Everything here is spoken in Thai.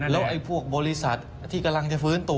แล้วไอ้พวกบริษัทที่กำลังจะฟื้นตัว